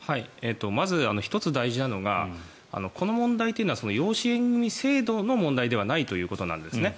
まず１つ大事なのがこの問題というのは養子縁組制度の問題ではないということなんですね。